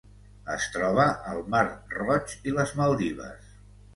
Es troba al Mar Roig i les Maldives.